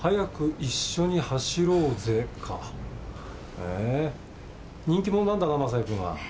へえー人気者なんだな雅也君は。